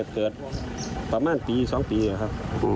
เกิดประมาณปี๒ปีครับ